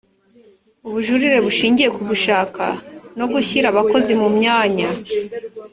ubujurire bushingiye ku gushaka no gushyira abakozi mu myanya